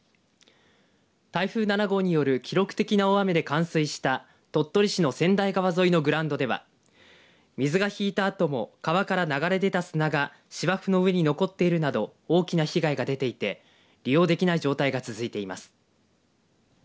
台風７号による記録的な大雨で冠水した鳥取市の千代川沿いのグラウンドでは水が引いたあとも川から流れ出た砂が芝生の上に残っているなど大きな被害が出ていて利用できない状態が続いています。